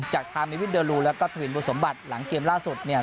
จากทางมิวินเดอร์ลูแล้วก็ทวินบุสมบัติหลังเกมล่าสุดเนี่ย